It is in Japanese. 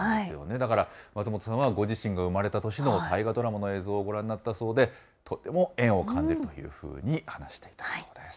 だから、松本さんはご自身が生まれた年の大河ドラマの映像をご覧になったそうで、とても縁を感じるというふうに話していたそうです。